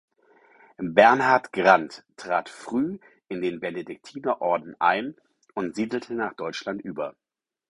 Bernhard Grant trat früh in den Benediktinerorden ein und siedelte nach Deutschland über.